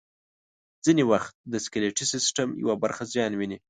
ځینې وخت د سکلیټي سیستم یوه برخه زیان ویني.